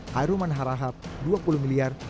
heruman harahab rp dua puluh miliar